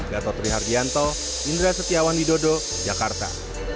gatotri hargianto indra setiawan didodo jakarta